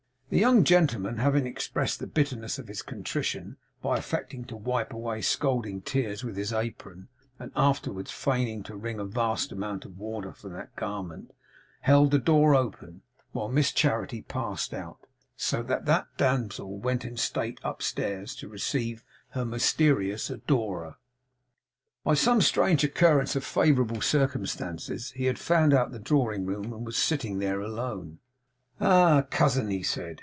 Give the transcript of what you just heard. The young gentleman having expressed the bitterness of his contrition by affecting to wipe away scalding tears with his apron, and afterwards feigning to wring a vast amount of water from that garment, held the door open while Miss Charity passed out; and so that damsel went in state upstairs to receive her mysterious adorer. By some strange occurrence of favourable circumstances he had found out the drawing room, and was sitting there alone. 'Ah, cousin!' he said.